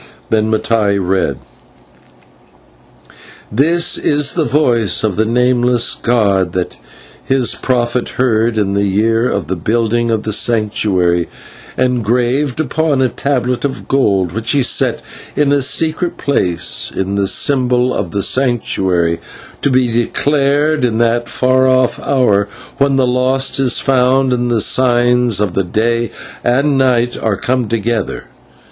Then Mattai read: "This is the voice of the Nameless god that his prophet heard in the year of the building of the Sanctuary, and graved upon a tablet of gold which he set in a secret place in the symbol of the Sanctuary, to be declared in that far off hour when the lost is found and the signs of the Day and the Night are come together.